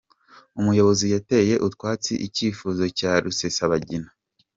Umuyobozi yateye utwatsi icyifuzo cya Rusesabagina